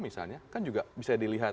misalnya kan juga bisa dilihat